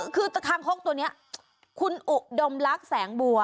คือตะคางคกตัวนี้คุณอุดมลักษณ์แสงบัว